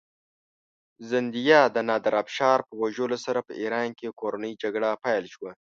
زندیه د نادرافشار په وژلو سره په ایران کې کورنۍ جګړه پیل شوه.